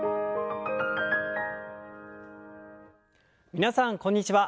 皆さんこんにちは。